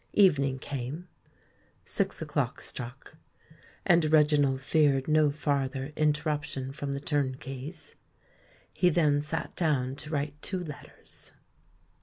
Evening came. Six o'clock struck; and Reginald feared no farther interruption from the turnkeys. He then sate down to write two letters.